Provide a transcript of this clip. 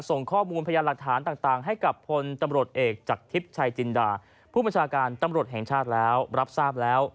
ส่งข้อมูลพยานหลักฐานต่างให้กับพลตำรวจเอกจากทิพย์ชัยจินดาผู้บัญชาการตำรวจแห่งชาติแล้วรับทราบแล้ว